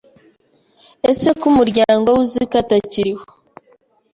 Ese ko umuryango we uzi ko atakibaho,